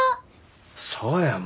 そうや舞。